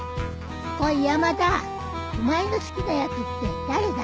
おい山田お前の好きなやつって誰だ？